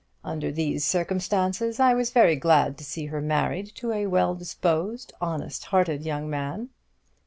Under these circumstances, I was very glad to see her married to a well disposed, honest hearted young man."